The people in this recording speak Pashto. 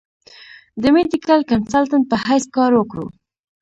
د ميډيکل کنسلټنټ پۀ حېث کار اوکړو ۔